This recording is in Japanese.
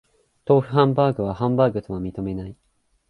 豆腐ハンバーグはハンバーグとは認めない